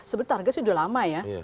sebenarnya sudah lama ya